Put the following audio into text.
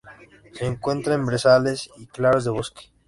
Se encuentra en brezales y claros de bosque.